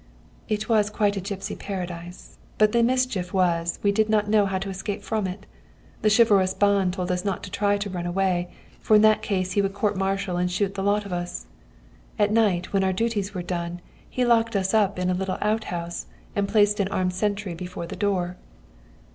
"It was quite a gipsy paradise, but the mischief was we did not know how to escape from it. The chivalrous Ban told us not to try to run away, for in that case he would court martial and shoot the lot of us. At night, when our duties were done, he locked us up in a little out house, and placed an armed sentry before the door.